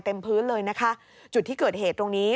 เต็มพื้นเลยนะคะจุดที่เกิดเหตุตรงนี้